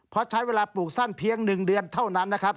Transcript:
เพราะใช้เวลาปลูกสั้นเพียง๑เดือนเท่านั้นนะครับ